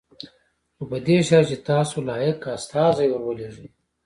خو په دې شرط چې تاسو لایق استازی ور ولېږئ.